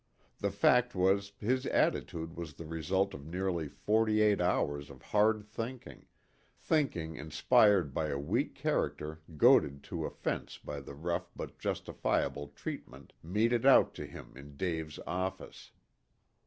The fact was his attitude was the result of nearly forty eight hours of hard thinking, thinking inspired by a weak character goaded to offense by the rough but justifiable treatment meted out to him in Dave's office.